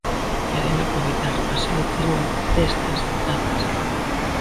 Queren aproveitar así o tirón destas datas.